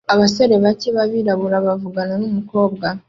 Abasore bake b'abirabura bavugana numukobwa